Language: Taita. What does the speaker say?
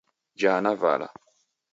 Jaa na vala.